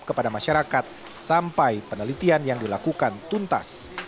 kepada masyarakat sampai penelitian yang dilakukan tuntas